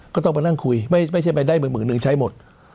ก็ต้องไปนั่งคุยไม่ใช่ไปได้หมื่นนึงใช้หมด